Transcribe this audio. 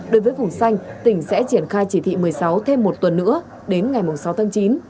đối với vùng xanh tỉnh sẽ triển khai chỉ thị một mươi sáu thêm một tuần nữa đến ngày sáu tháng chín